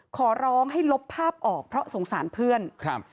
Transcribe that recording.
ขอร้องให้ลบภาพออกเพราะสงสารเพื่อนครับ